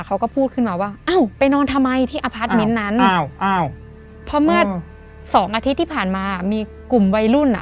เขาก็พูดขึ้นมาว่าอ้าวไปนอนทำไมที่อพาร์ทเมนต์นั้นอ้าวอ้าวเพราะเมื่อสองอาทิตย์ที่ผ่านมามีกลุ่มวัยรุ่นอ่ะ